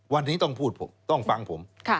วันนี้ต้องพูดต้องฟังผม